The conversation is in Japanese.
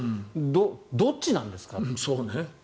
どっちなんですか？